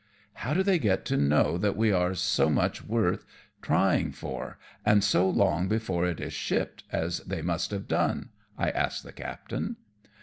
" How do they get to know that we are so much worth trying for, and so long before it is shipped, as they must have done VI ask the captain.